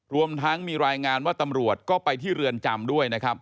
รวมทั้งมีรายงานว่าตำรวจก็ไปที่เรือนจำด้วยนะครับ